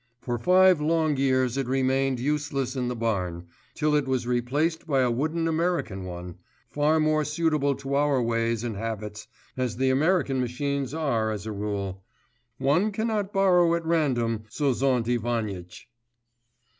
For five long years it remained useless in the barn, till it was replaced by a wooden American one far more suitable to our ways and habits, as the American machines are as a rule. One cannot borrow at random, Sozont Ivanitch.